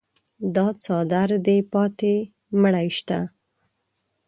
دا څادر دې پاته مړی شته.